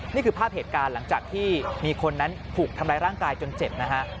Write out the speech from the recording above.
นี่คือภาพเหตุการณ์หลังจากที่มีคนนั้นถูกทำร้ายร่างกายจนเจ็บนะฮะ